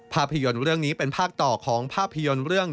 ภาพยนตร์เรื่องนี้เป็นภาคต่อของภาพยนตร์เรื่อง